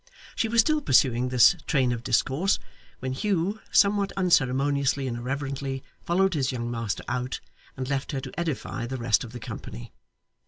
She was still pursuing this train of discourse, when Hugh, somewhat unceremoniously and irreverently, followed his young master out, and left her to edify the rest of the company.